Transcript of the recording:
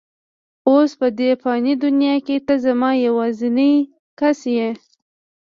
اوس په دې فاني دنیا کې ته زما یوازینۍ کس یې.